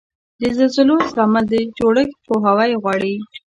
د زلزلو زغمل د جوړښت پوهاوی غواړي.